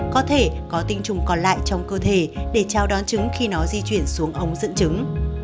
có thể có tinh trùng còn lại trong cơ thể để trao đón trứng khi nó di chuyển xuống ống dẫn chứng